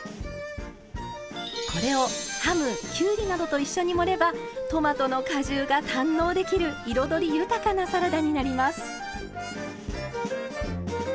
これをハムキュウリなどと一緒に盛ればトマトの果汁が堪能できる彩り豊かなサラダになります。